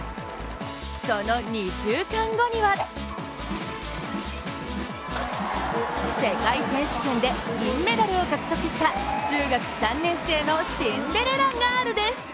その２週間後には世界選手権で銀メダルを獲得した中学３年生のシンデレラガールです。